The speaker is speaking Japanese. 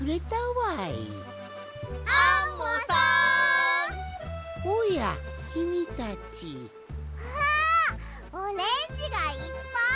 わオレンジがいっぱい！